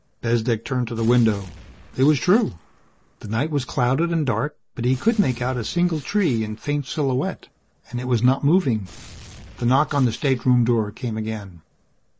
Bezdek turned to the window. It was true. The night was clouded and dark but he could make out a single tree in faint silhouette and it was not moving. The knock on the stateroom door came again.